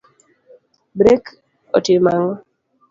Brek otimo ango'?